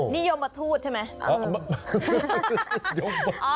นี่ยมมาทูดใช่ไหม